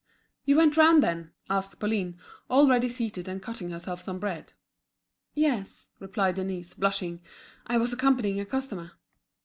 "You went round, then?" asked Pauline, already seated and cutting herself some bread. "Yes," replied Denise, blushing, "I was accompanying a customer."